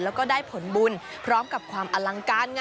แล้วก็ได้ผลบุญพร้อมกับความอลังการไง